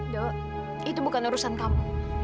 dok itu bukan urusan kamu